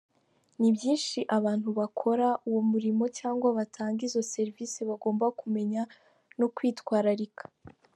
Nibyinshi abantu bakora uwo murimo cyangwa batanga izo serivisi bagomba kumenya no kwitwararika.